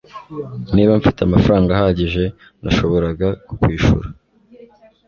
niba mfite amafaranga ahagije, nashoboraga kukwishura